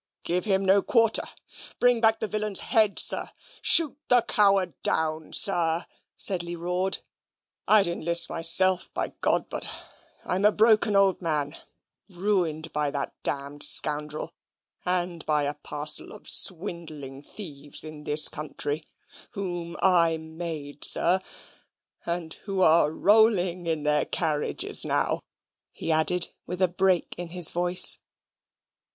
"Give him no quarter. Bring back the villain's head, sir. Shoot the coward down, sir," Sedley roared. "I'd enlist myself, by ; but I'm a broken old man ruined by that damned scoundrel and by a parcel of swindling thieves in this country whom I made, sir, and who are rolling in their carriages now," he added, with a break in his voice.